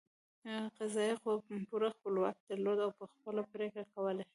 قضايي قوه پوره خپلواکي درلوده او په خپله پرېکړې کولې.